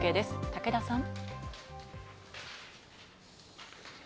武田さん。